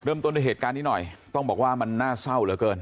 ด้วยเหตุการณ์นี้หน่อยต้องบอกว่ามันน่าเศร้าเหลือเกิน